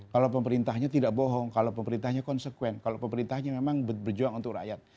kalau pemerintahnya tidak bohong kalau pemerintahnya konsekuen kalau pemerintahnya memang berjuang untuk rakyat